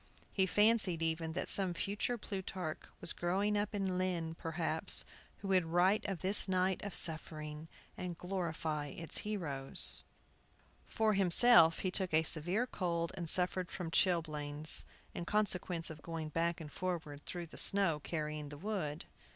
He fancied, even, that some future Plutarch was growing up in Lynn, perhaps, who would write of this night of suffering, and glorify its heroes. For himself he took a severe cold and suffered from chilblains, in consequence of going back and forward through the snow, carrying the wood.